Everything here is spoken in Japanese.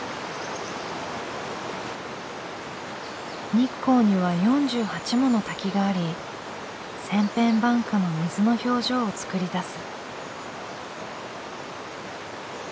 日光には４８もの滝があり千変万化の水の表情を作り出す。